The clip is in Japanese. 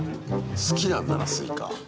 好きなんだなスイカ。